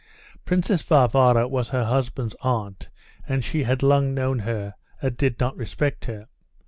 Princess Varvara was her husband's aunt, and she had long known her, and did not respect her.